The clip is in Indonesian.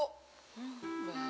baru gue ngandekin